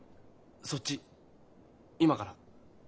そっち今から。